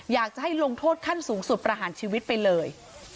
อยากจะให้ลงโทษขั้นสูงสุดประหารชีวิตไปเลย